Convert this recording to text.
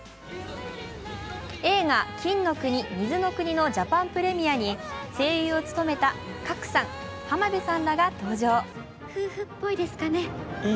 映画「金の国水の国」のジャパンプレミアに声優を務めた賀来さん、浜辺さんらが登場。